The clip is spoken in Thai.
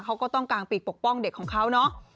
เขาก็ต้องกางปีกปกป้องเด็กของเขาเนาะ